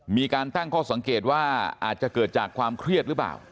มีการตั้งข้อสังเกตว่าอาจจะเกิดจากความเครียดหรือเปล่า